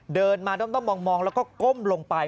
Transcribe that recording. เดินมาด้อมมองแล้วก็ก้มลงไป